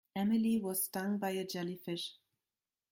Emily was stung by a jellyfish.